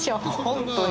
本当に！